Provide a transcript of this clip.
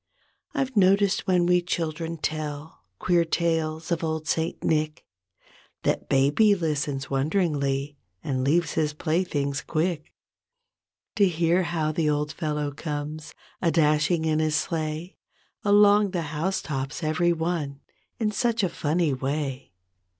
I've noticed when we children tell Queer tales of old Saint Nick That baby listens wonderingly And leaves his playthings quick To hear how the old fellow comes A dashing in his sleigh Along the house tops every one In such a funny way.